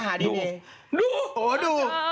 นะดูดูโอ้โหดู